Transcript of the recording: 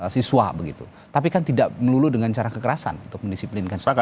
siswa begitu tapi kan tidak melulu dengan cara kekerasan untuk mendisiplinkan